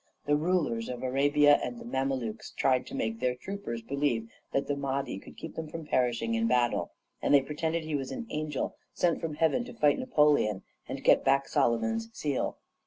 The rulers of Arabia and the Mamelukes tried to make their troopers believe that the Mahdi could keep them from perishing in battle; and they pretended he was an angel sent from heaven to fight Napoleon and get back Solomon's seal.